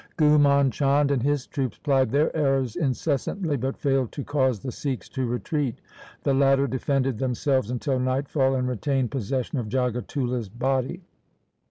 Ghumand Chand and his troops plied their arrows incessantly, but failed to cause the Sikhs to retreat. The latter defended themselves until nightfall and retained possession of Jagatullah's body.